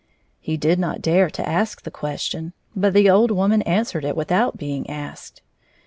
He did not dare to ask the question, but the old woman answered it without being asked.